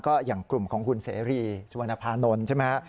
ก็อย่างกลุ่มของคุณเสรีสุวรรณภานนท์ใช่ไหมฮะ